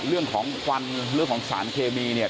เรื่องของควันเรื่องของสารเคมีเนี่ย